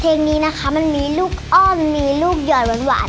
เพลงนี้นะคะมันมีลูกอ้อมมีลูกหย่อยหวาน